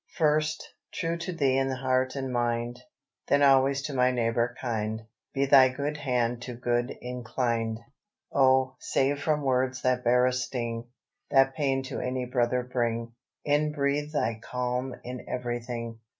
"First, true to Thee in heart and mind, Then always to my neighbour kind, By Thy good hand to good inclined. "Oh, save from words that bear a sting, That pain to any brother bring: Inbreathe Thy calm in everything.